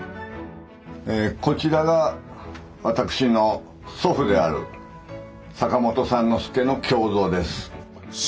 こちらが私の祖父である坂本之助の胸像です。